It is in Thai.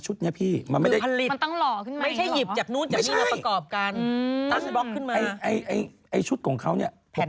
เฮ้ย